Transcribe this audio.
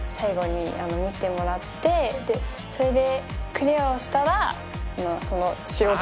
それで。